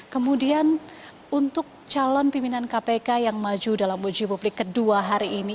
kemudian untuk calon pimpinan kpk yang maju dalam uji publik kedua hari ini